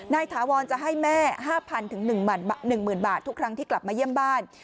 ถาวรจะให้แม่๕๐๐๑๐๐บาททุกครั้งที่กลับมาเยี่ยมบ้าน